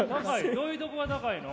どういうとこが高いの？